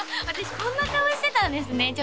私こんな顔してたんですね